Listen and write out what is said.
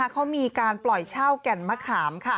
เขามีการปล่อยเช่าแก่นมะขาม